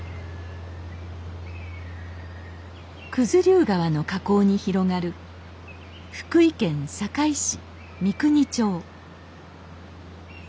九頭竜川の河口に広がる福井県坂井市三国町